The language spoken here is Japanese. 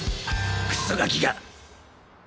クソガキが！